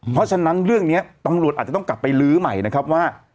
เพราะฉะนั้นเรื่องนี้ตำรวจอาจจะต้องกลับไปลื้อใหม่นะครับว่า